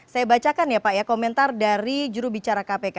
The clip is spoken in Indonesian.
saya bacakan ya pak ya komentar dari jurubicara kpk